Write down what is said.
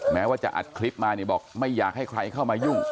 แม้ว่าจะอัดคลิปมาเนี่ยบอกไม่อยากให้ใครเข้ามายุ่ง